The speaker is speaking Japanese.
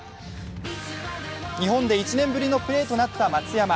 日本で１年ぶりのプレーとなった松山。